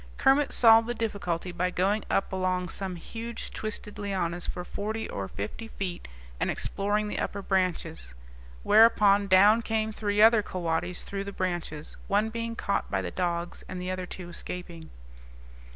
Kermit solved the difficulty by going up along some huge twisted lianas for forty or fifty feet and exploring the upper branches; whereupon down came three other coatis through the branches, one being caught by the dogs and the other two escaping.